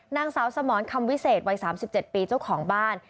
นางสาวสมรคำวิเศษวัย๓๗ปีเจ้าของบ้าน